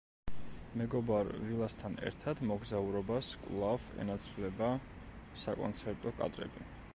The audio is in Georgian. მეგობარ ვილასთან ერთად მოგზაურობას კვლავ ენაცვლება საკონცერტო კადრები.